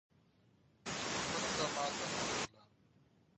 دښمن ته ماته ورغله.